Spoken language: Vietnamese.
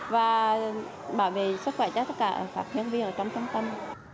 và bảo vệ sức khỏe cho tất cả các nhân viên ở trong trung tâm